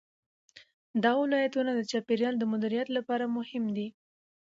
دا ولایتونه د چاپیریال د مدیریت لپاره مهم دي.